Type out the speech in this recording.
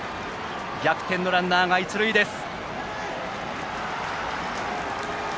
逆転のランナーが一塁です。